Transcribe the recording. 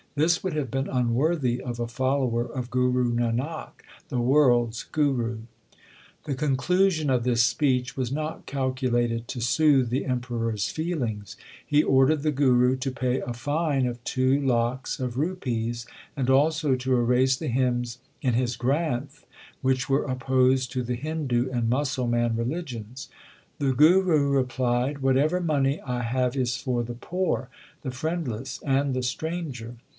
This would have been unworthy of a follower of Guru Nanak, the world s Guru. The conclusion of this speech was not calculated to soothe the Emperor s feelings. He ordered the Guru to pay a fine of two lakhs of rupees, and also to erase the hymns in his Granth which were opposed to the Hindu and Musalman religions. The Guru replied : Whatever money I have is for the poor, the friendless, and the stranger.